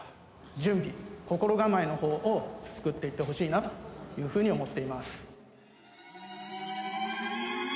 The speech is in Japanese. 準備心構えの方をつくっていってほしいなっていうふうに思っています。